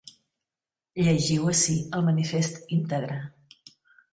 Llegiu ací el manifest íntegre.